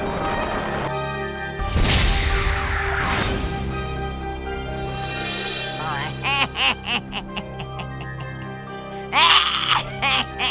bukan saya yang mengirimkan telur